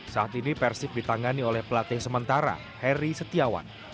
saat ini persib ditangani oleh pelatih sementara heri setiawan